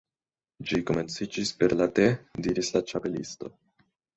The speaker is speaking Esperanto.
"Ĝi komenciĝis per la Te" diris la Ĉapelisto.